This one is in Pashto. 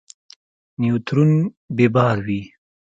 نیوترون بې بار وي.